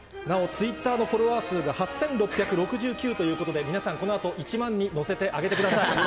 なおツイッターのフォロワー数が、８６６９ということで、皆さん、このあと１万に乗せてあげてください。